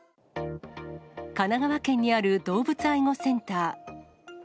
神奈川県にある動物愛護センター。